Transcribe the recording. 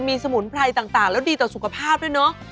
มีสมุนไพรต่างแล้วดีต่อสุขภาพด้วยเนอะ